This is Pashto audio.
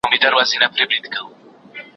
هغه وويل چي جواب ورکول مهم دي!؟